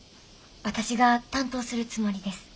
私が担当するつもりです。